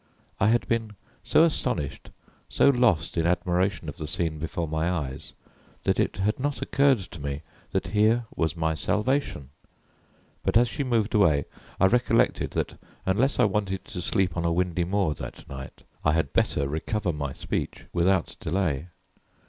I had been so astonished, so lost in admiration of the scene before my eyes, that it had not occurred to me that here was my salvation. But as she moved away I recollected that unless I wanted to sleep on a windy moor that night I had better recover my speech without delay.